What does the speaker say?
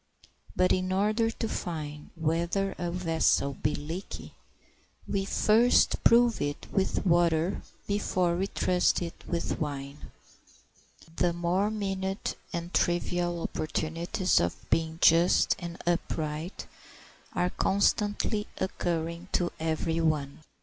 But in order to find whether a vessel be leaky we first prove it with water before we trust it with wine. The more minute and trivial opportunities of being just and upright are constantly occurring to every one.